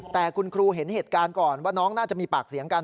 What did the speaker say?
แต่คุณครูเห็นเหตุการณ์ก่อนว่าน้องน่าจะมีปากเสียงกัน